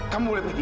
kamu boleh pergi